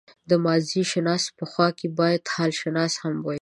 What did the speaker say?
د ماضيشناس په خوا کې بايد حالشناس هم وي.